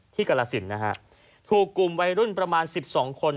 กรสินนะฮะถูกกลุ่มวัยรุ่นประมาณ๑๒คน